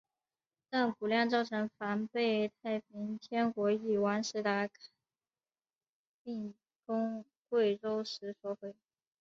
但古酿造作房被太平天国翼王石达开进攻贵州时所毁。